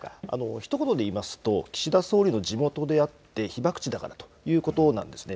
ひと言でいいますと、岸田総理の地元であって、被爆地だからということなんですね。